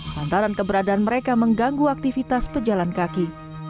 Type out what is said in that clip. lantaran keberadaan mereka mengganggu aktivitas pejalan kaki